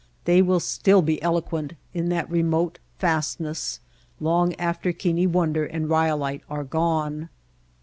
They will still be eloquent in that remote fastness long after Keane Wonder and Ryolite are gone.